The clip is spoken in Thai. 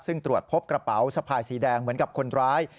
ซึ่งตรวจพบกระเป๋าสะพายสีแดงเหมือนกับคนร้าย